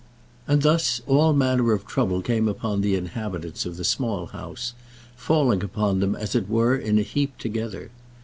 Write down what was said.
And thus all manner of trouble came upon the inhabitants of the Small House, falling upon them as it were in a heap together.